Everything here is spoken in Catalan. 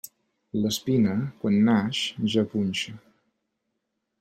L'espina, quan naix, ja punxa.